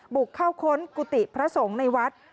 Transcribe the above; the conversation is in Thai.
บุกเข้าค้นกุฏิพระสงฆ์ในวัด